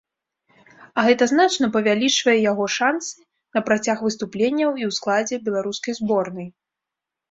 А гэта значна павялічвае яго шанцы на працяг выступленняў і ў складзе беларускай зборнай.